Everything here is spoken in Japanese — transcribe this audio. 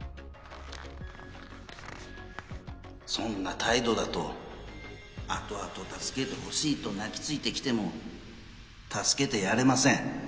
そんな態度だと後々助けてほしいと泣きついてきても助けてやれません。